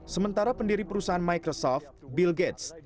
sementara pendiri perusahaan microsoft bill gates